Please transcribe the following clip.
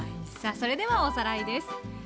それではおさらいです。